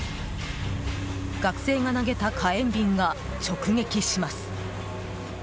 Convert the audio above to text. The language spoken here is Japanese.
学生が投げた火炎瓶が直撃します。